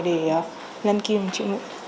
để lan kim trị mụn